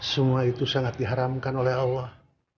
semua itu sangat diharamkan oleh allah